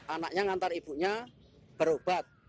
anaknya mengantar ibunya berobat